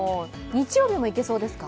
日曜日もいけそうですか？